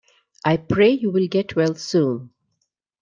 I pray you will get well soon.